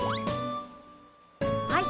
はい。